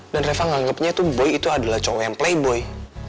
dan reva nganggepnya tuh boy itu adalah cowok yang playboy